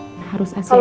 iya harus asi eksklusif